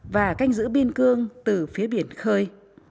và canh giữ biên cương từ phía biển khơi